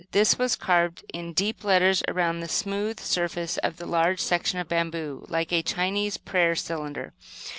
This was carved in deep letters around the smooth surface of a large section of bamboo, like a Chinese prayer cylinder.